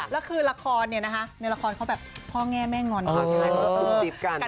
แล้วคือราคอนเนี่ยนะฮะในราคอนเขาแบบพ่อแง่แม่งอนก็คล้าย